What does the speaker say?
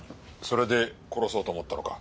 それで殺そうと思ったのか？